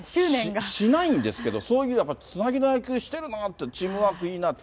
しないんですけど、そういう、やっぱりつなぎの野球してるな、チームワークいいなって。